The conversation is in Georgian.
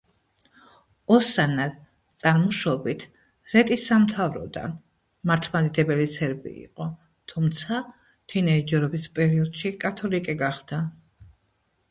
ოსანა წარმოშობით ზეტის სამთავროდან, მართლმადიდებელი სერბი იყო, თუმცა თინეიჯერობის პერიოდში კათოლიკე გახდა.